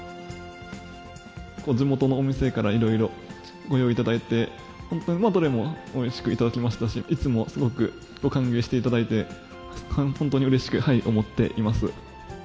地元のお店からいろいろご用意いただいて、本当にどれもおいしく頂きましたし、いつもすごく歓迎していただいて、本当にうれしく思っています。